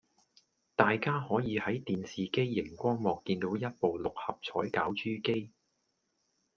大家可以喺電視機營光幕見到一部六合彩攪珠機